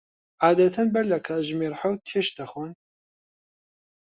عادەتەن بەر لە کاتژمێر حەوت تێشت دەخۆن؟